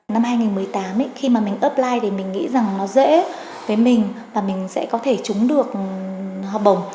năm hai nghìn một mươi tám khi mà mình upline thì mình nghĩ rằng nó dễ với mình và mình sẽ có thể trúng được học bổng